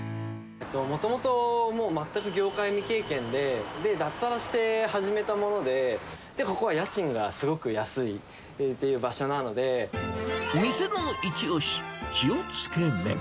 もともと、もう全く業界未経験で、で、脱サラして始めたもので、ここは家賃がすごく安いっていう場所な店の一押し、塩つけ麺。